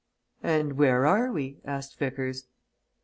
"And where are we?" asked Vickers.